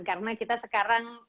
karena kita sekarang